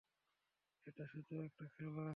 এটা শুধু একটা খেলা।